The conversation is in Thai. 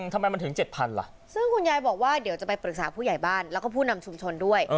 ทำไมมันถึง๗๐๐ล่ะซึ่งคุณยายบอกว่าเดี๋ยวจะไปปรึกษาผู้ใหญ่บ้านแล้วก็ผู้นำชุมชนด้วย